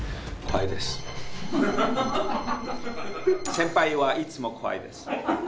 先輩はいつも怖いです。